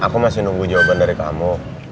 aku masih nunggu jawaban dari kamu